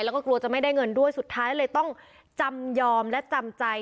แล้วก็กลัวจะไม่ได้เงินด้วยสุดท้ายเลยต้องจำยอมและจำใจ